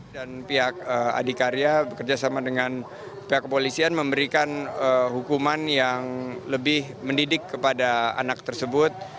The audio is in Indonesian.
dan pihak adikarya bekerjasama dengan pihak kepolisian memberikan hukuman yang lebih mendidik kepada anak tersebut